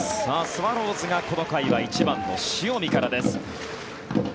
スワローズがこの回は１番の塩見からです。